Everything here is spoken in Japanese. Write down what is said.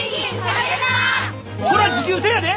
こら持久戦やで！